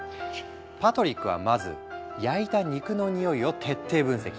パトリックはまず焼いた肉の匂いを徹底分析。